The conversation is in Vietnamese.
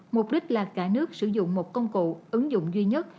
mục đích là cả nước sử dụng một công cụ ứng dụng duy nhất